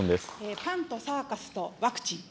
パンとサーカスとワクチン。